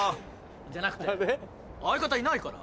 じゃなくて相方いないから。